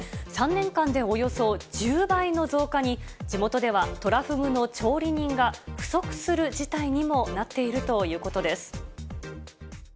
３年間でおよそ１０倍の増加に、地元ではトラフグの調理人が、不足する事態にもなっているということです。